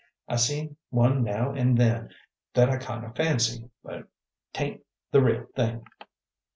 I see one now an' then that I kind o' fancy, but 't ain't the real thing."